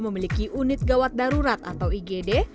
memiliki unit gawat darurat atau igd